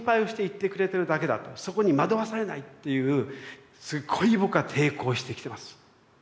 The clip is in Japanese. そこに惑わされないっていうすごい僕は抵抗してきてます。